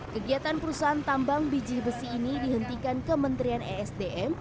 kegiatan perusahaan tambang biji besi ini dihentikan kementerian esdm